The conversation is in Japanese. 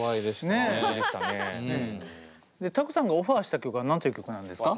ＴＡＫＵさんがオファーした曲は何ていう曲なんですか？